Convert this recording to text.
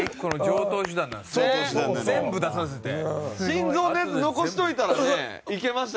心臓のやつ残しておいたらねいけましたからね。